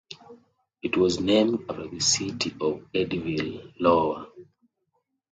It was named after the city of Eddyville, Iowa.